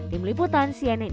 di meliputan sianet